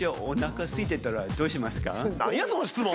何やその質問！